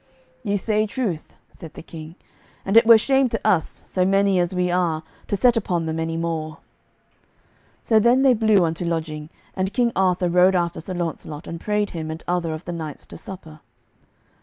"Ye say truth," said the King, "and it were shame to us, so many as we are, to set upon them any more." So then they blew unto lodging, and King Arthur rode after Sir Launcelot and prayed him and other of the knights to supper.